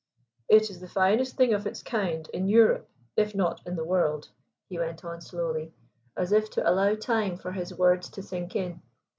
"It is the finest thing of its kind in Europe, if not in the world," he went on slowly, as if to allow time for his words to sink in.